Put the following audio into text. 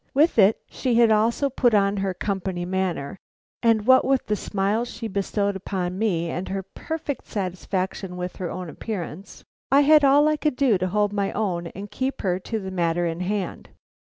With it she had also put on her company manner, and what with the smiles she bestowed upon me and her perfect satisfaction with her own appearance, I had all I could do to hold my own and keep her to the matter in hand.